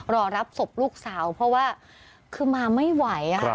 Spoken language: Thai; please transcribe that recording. รอรับศพลูกสาวเพราะว่าคือมาไม่ไหว